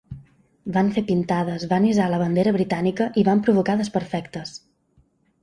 Van fer pintades, van hissar la bandera britànica i van provocar desperfectes.